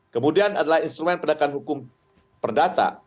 kemudian adalah instrumen penegakan hukum perdata